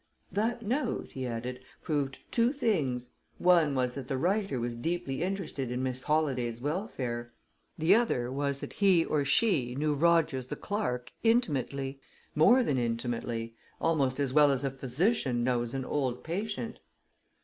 "That note," he added, "proved two things. One was that the writer was deeply interested in Miss Holladay's welfare; the other was that he or she knew Rogers, the clerk, intimately more than intimately almost as well as a physician knows an old patient."